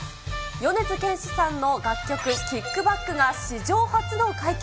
米津玄師さんの楽曲、ＫＩＣＫＢＡＣＫが史上初の快挙。